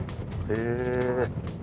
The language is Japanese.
へえ。